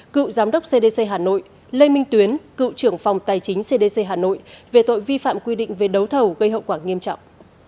cựu giám đốc cdc hà nội lê minh tuyến cựu trưởng phòng tài chính cdc hà nội về tội vi phạm quy định về đấu thầu gây hậu quả nghiêm trọng